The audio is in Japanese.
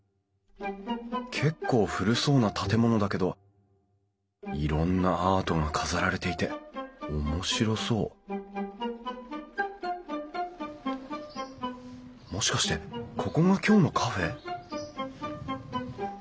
結構古そうな建物だけどいろんなアートが飾られていておもしろそうもしかしてここが今日のカフェ？